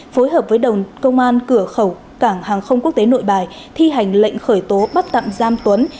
phối hợp với đồng công an cửa khẩu cảng hàng không quốc tế nội bài thi hành lệnh khởi tố bắt tạm giam tuấn